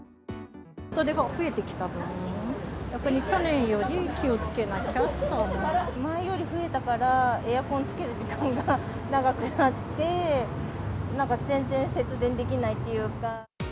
人出が増えてきた分、やっぱ前より増えたから、エアコンつける時間が長くなって、なんか全然節電できないっていうか。